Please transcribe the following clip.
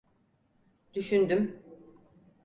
Düşündüm.